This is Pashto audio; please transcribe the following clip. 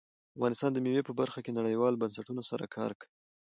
افغانستان د مېوې په برخه کې نړیوالو بنسټونو سره کار کوي.